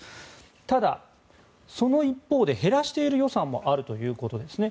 ただ、その一方で減らしている予算もあるということですね。